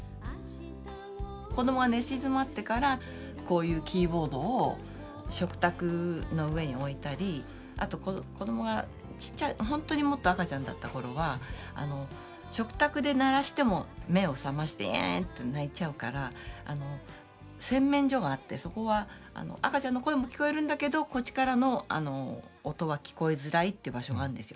子どもが寝静まってからこういうキーボードを食卓の上に置いたりあと子どもがほんとにもっと赤ちゃんだった頃は食卓で鳴らしても目を覚まして「えん」って泣いちゃうから洗面所があってそこは赤ちゃんの声も聞こえるんだけどこっちからの音は聞こえづらいって場所があるんですよ。